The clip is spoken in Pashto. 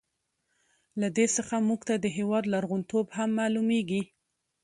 له دې څخه موږ ته د هېواد لرغون توب هم معلوميږي.